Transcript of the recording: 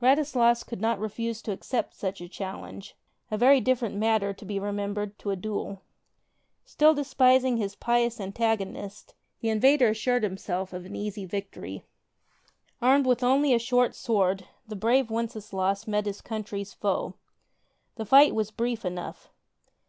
Radislas could not refuse to accept such a challenge — a very different matter, be it remembered, to a duel. Still despising his pious antagonist, the invader as sured himself of an easy victory. Armed with only a short sword, the brave Wenceslaus met his country's foe. The fight was brief enough.